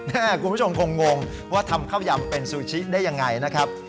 คุณผู้ชมคงงว่าทำข้าวยำเป็นซูชิได้ยังไงนะครับ